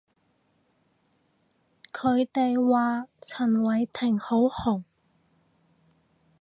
佢哋話陳偉霆好紅